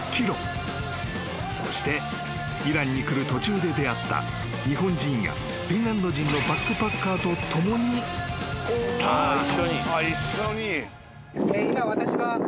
［そしてイランに来る途中で出会った日本人やフィンランド人のバックパッカーと共にスタート］